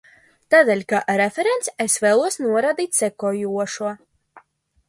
Tādēļ kā referents es vēlos norādīt sekojošo.